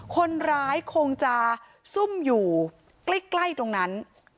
คนร้ายคงจะซุ่มอยู่ใกล้ตรงนั้น